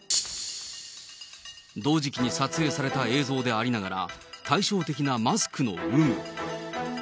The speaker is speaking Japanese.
同時期に撮影された映像でありながら、対照的なマスクの有無。